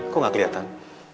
kok ga keliatan